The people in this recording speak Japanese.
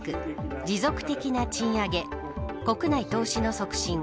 持続的な賃上げ国内投資の促進